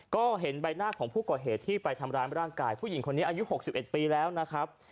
ก็เห็นใบหน้าของผู้ก่อเหตุที่ไปทำร้ายร่างกายผู้หญิงคนนี้อายุ๖๑ปีแล้วนะครับ